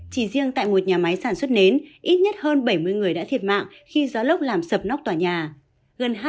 chỉ riêng tại một nhà máy sản xuất nến ít nhất hơn bảy mươi người đã thiệt mạng khi gió lốc làm sập nóc tòa nhà